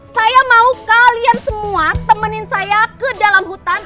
saya mau kalian semua temenin saya ke dalam hutan